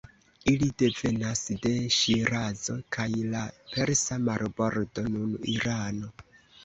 Ili devenas de Ŝirazo kaj la persa marbordo (nun Irano).